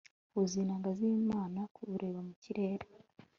huzuye inanga z'imana, kureba mu kirere